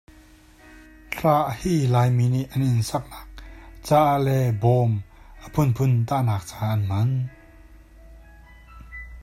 Tlah hi Laimi nih an inn saknak caah le bawm a phunphun tahnak caah an hman.